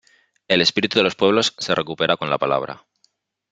El espíritu de los pueblos se recupera con la palabra.